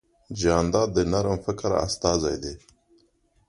جانداد د نرم فکر استازی دی.